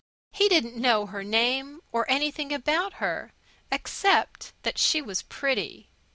He didn't know her name nor anything about her, except that she was pretty.